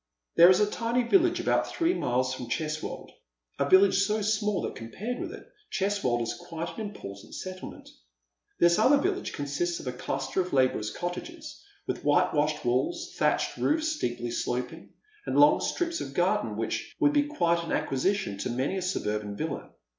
There is a tiny village about three miles from Cheswold — a village so small that compared with it Cheswold is quite an important settlement. This other village consists of a cluster of labourers' cottages, vnth whitewashed walls, thatched roof a steeply sloping, and long strips of garden which would be quite an acquisition to many a suburban villa.